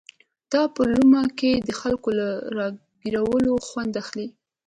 دا په لومه کې د خلکو له را ګيرولو خوند اخلي.